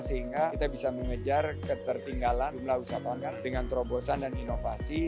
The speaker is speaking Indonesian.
sehingga kita bisa mengejar ketertinggalan jumlah wisatawan dengan terobosan dan inovasi